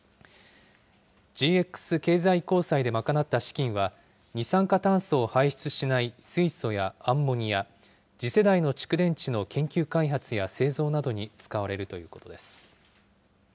ＧＸ経済移行債で賄った資金は、二酸化炭素を排出しない水素やアンモニア、次世代の蓄電池の研究開発や製造などに使われるということです。